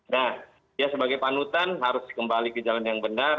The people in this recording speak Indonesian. nah dia sebagai panutan harus kembali ke jalan yang benar